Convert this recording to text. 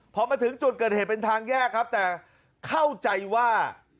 พอมาถึงจุดเกิดเหตุเป็นทางแยกครับแต่เข้าใจว่า